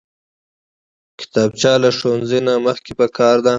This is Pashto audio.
کتابچه له ښوونځي نه مخکې پکار ده